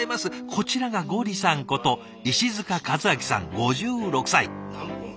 こちらがＧＯＲＩさんこと石塚和明さん５６歳。